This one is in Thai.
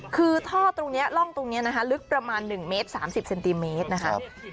คือท่อตรงนี้ร่องตรงนี้นะคะลึกประมาณ๑เมตร๓๐เซนติเมตรนะคะ